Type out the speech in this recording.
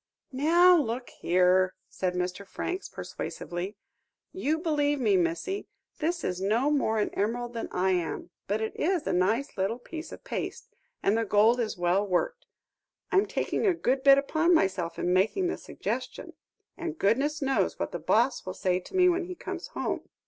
"Now look here," said Mr. Franks persuasively, "you believe me, missy; this is no more an emerald than I am, but it is a nice little bit of paste, and the gold is well worked. I'm taking a good bit upon myself in making the suggestion, and goodness knows what the boss will say to me when he comes home.